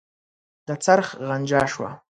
د څرخ غنجا شوه.